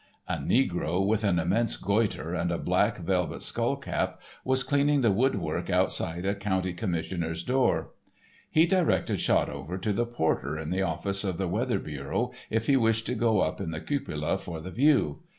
A negro, with an immense goitre and a black velvet skull cap, was cleaning the woodwork outside a county commissioner's door. He directed Shotover to the porter in the office of the Weather Bureau, if he wished to go up in the cupola for the view.